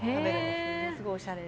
すごいおしゃれで。